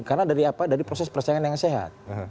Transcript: karena dari apa dari proses persaingan yang sehat